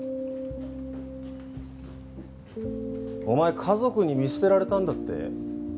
お前家族に見捨てられたんだって？